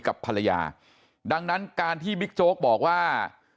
กับภรรยาดังนั้นการที่บิ๊กโจ๊กบอกว่า